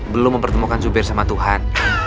belum mempertemukan jubir sama tuhan